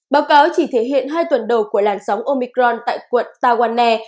báo cáo chỉ thể hiện hai tuần đầu của làn sóng omicron tại quận tawanna